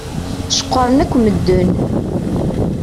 Ceqqṛen akk medden.